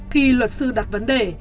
khi luật sư đặt vấn đề